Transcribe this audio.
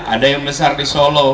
ada yang besar di solo